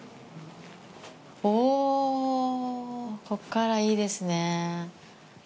おぉぉ、ここからいいですねぇ。